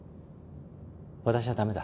私は駄目だ。